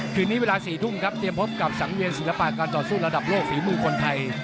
คืนนี้เวลา๔ทุ่มครับเตรียมพบกับสังเวียนศิลปะการต่อสู้ระดับโลกฝีมือคนไทย